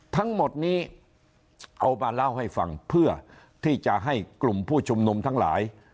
ทั้งหมดนี้เอามาเล่าให้ฟังเพื่อที่จะให้กลุ่มผู้ชุมนุมทั้งหลาย